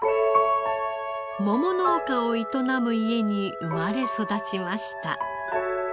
桃農家を営む家に生まれ育ちました。